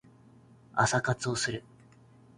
朝活をする